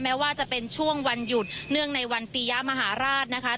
แม้ว่าจะเป็นช่วงวันหยุดเนื่องในวันปียะมหาราชนะคะ